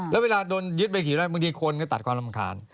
แล้วเวลาโดนยึดไปขี่แล้วบางทีคนก็ตัดความรำคาญ